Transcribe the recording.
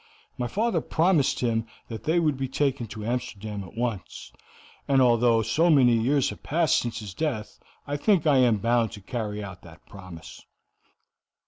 My father promised him that they should be taken to Amsterdam at once; and although so many years have passed since his death, I think I am bound to carry out that promise."